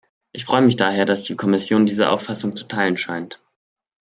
Ich freue mich daher, dass die Kommission diese Auffassung zu teilen scheint.